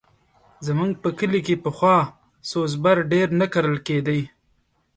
زموږ په کلي کښې پخوا سوز بر ډېر نه کرل کېدی.